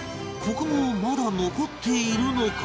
ここもまだ残っているのか？